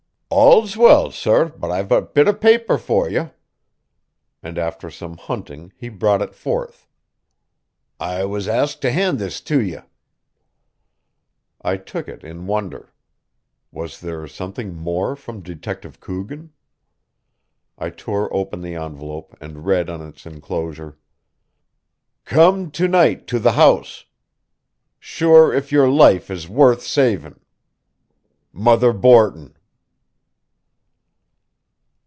"All's well, sor, but I've a bit of paper for ye." And after some hunting he brought it forth. "I was asked to hand this to ye." I took it in wonder. Was there something more from Detective Coogan? I tore open the envelope and read on its inclosure: "Kum tonite to the house. Shure if youre life is wurth savein. "Muther Borton."